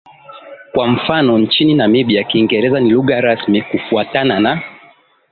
Kwa mfano nchini Namibia Kiingereza ni lugha rasmi kufuatana na